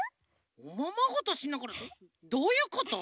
おままごとしながらどういうこと？